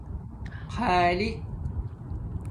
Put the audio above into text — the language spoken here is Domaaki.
خآلی